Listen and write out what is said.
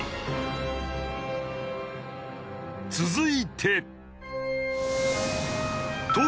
続いて。